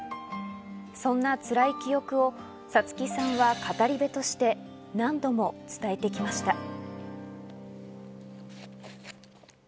そんなつらい記憶をさつきさんは語り部として何度も伝えてきました。